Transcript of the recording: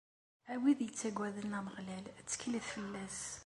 A wid yettaggaden Ameɣlal, tteklet fell-as.